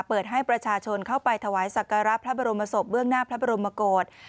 เปิดให้ประชาชนเข้าไปถวายสักการะพระบรมศพเบื้องหน้าพระบรมโกศ